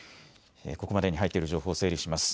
ここまでに入っている情報を整理します。